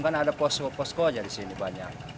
ketika dikirim kan ada posko aja di sini banyak